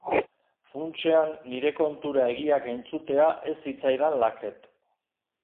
Funtsean nire kontura egiak entzutea ez zitzaidan laket.